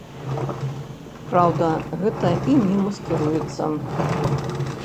Праўда, гэта і не маскіруецца.